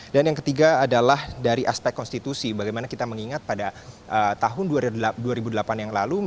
dan yang ketiga adalah dari aspek konstitusi bagaimana kita mengingat pada tahun dua ribu delapan yang lalu